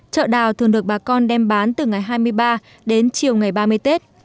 chợ đào thường được bà con đem bán từ ngày hai mươi ba đến chiều ngày ba mươi tết